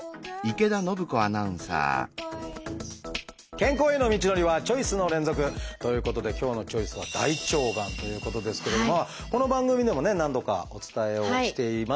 健康への道のりはチョイスの連続！ということで今日の「チョイス」はこの番組でもね何度かお伝えをしていますけれども。